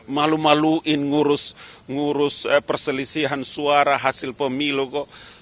malu maluin ngurus perselisihan suara hasil pemilu kok